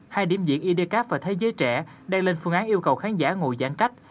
hai điểm diễn idcap và thế giới trẻ đang lên phương án yêu cầu khán giả ngồi giãn cách